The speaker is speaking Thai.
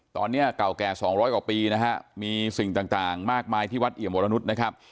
ตอนนี้เก่าแก่๒๐๐กว่าปีนะฮะมีสิ่งต่างมากมายที่วัดเอี่ยมวรนุษย์นะครับ